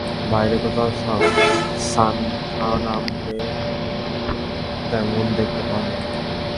বাইরে কোথাও সান্থানামকে তেমন দেখতে পাওয়া যায় না।